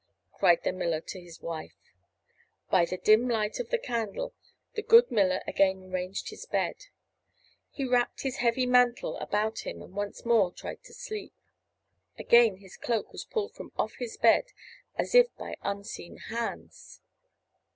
cried the miller to his wife. By the dim light of the candle the good miller again arranged his bed. He wrapped his heavy mantle about him and once more tried to sleep. Again his cloak was pulled from off his bed as if by unseen hands.